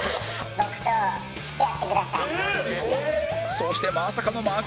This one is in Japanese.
そしてまさかのマジ